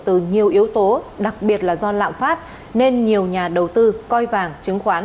từ nhiều yếu tố đặc biệt là do lạm phát nên nhiều nhà đầu tư coi vàng chứng khoán